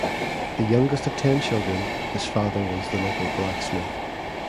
The youngest of ten children his father was the local blacksmith.